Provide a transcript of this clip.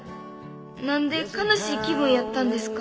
「なんで悲しい気分やったんですか？」